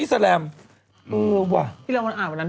เออแล้วมีออกทั้งพื่นใหญ่๕๙๘